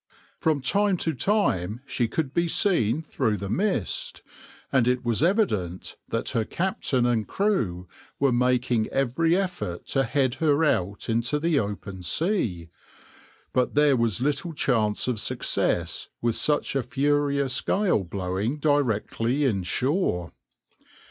From time to time she could be seen through the mist, and it was evident that her captain and crew were making every effort to head her out to the open sea; but there was little chance of success with such a furious gale blowing directly inshore.